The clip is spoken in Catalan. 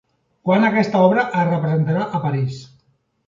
Quan aquesta obra es representà a París.